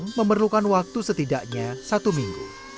buah jong memerlukan waktu setidaknya satu minggu